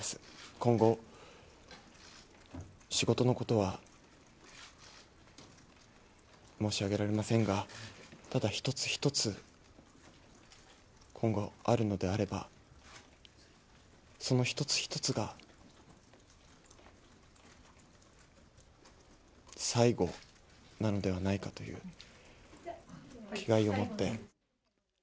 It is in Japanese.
今後、仕事のことは申し上げられませんが、ただ一つ一つ、今後あるのであれば、その一つ一つが最後なのではないかという気概を持って。